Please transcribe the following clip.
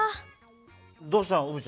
どうしたの？